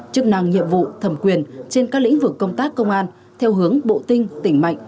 chức năng nhiệm vụ thẩm quyền trên các lĩnh vực công tác công an theo hướng bộ tinh tỉnh mạnh